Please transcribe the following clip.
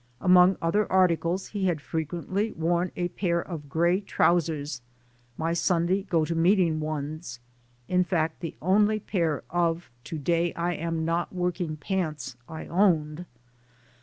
Among other articles he had frequently worn a pair of gray trousers, my Sunday go to meeting ones, in fact the only pair of to day I am not working pants I owned.